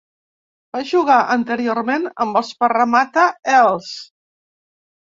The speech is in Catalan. Va jugar anteriorment amb els Parramatta Eels.